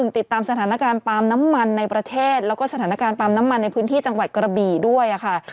ติดตามสถานการณ์ปาล์มน้ำมันในประเทศแล้วก็สถานการณ์ปาล์มน้ำมันในพื้นที่จังหวัดกระบี่ด้วยค่ะ